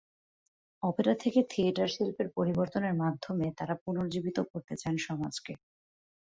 Opera থেকে theatre শিল্পের পরিবর্তনের মাধ্যমে তাঁরা পুনর্জীবিত করতে চান সমাজকে।